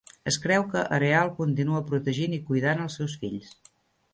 Es creu que Ereal continua protegint i cuidant els seus fills.